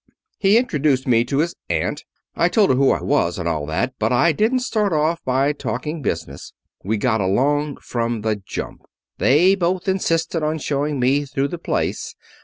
He introduced me to his aunt. I told her who I was, and all that. But I didn't start off by talking business. We got along from the jump. They both insisted on showing me through the place.